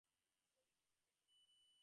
After that, he received a push.